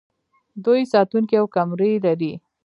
دوی ساتونکي او کمرې لري.